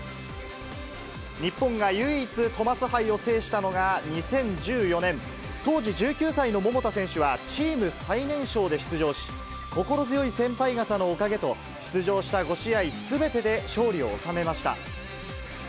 日本が唯一、トマス杯を制したのが２０１４年、当時１９歳の桃田選手は、チーム最年少で出場し、心強い先輩方のおかげと、出場した５試合すべてで勝利を収めました。